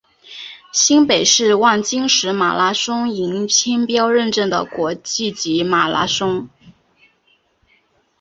新北市万金石马拉松银标签认证的国际级马拉松。